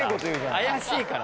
怪しいから。